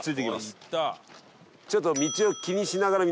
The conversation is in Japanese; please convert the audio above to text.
ちょっと。